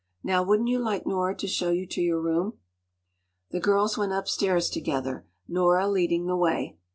“Now wouldn’t you like Nora to show you to your room?” The girls went upstairs together, Nora leading the way.